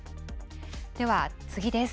では次です。